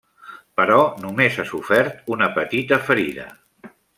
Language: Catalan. Però només ha sofert una petita ferida.